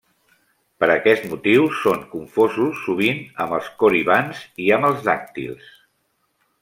Per aquest motiu, són confosos sovint amb els Coribants i amb els Dàctils.